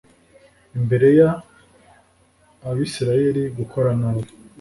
imbere y abisirayeli gukora nabi